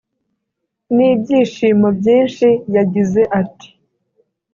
n’ibyishimo byinshi yagize ati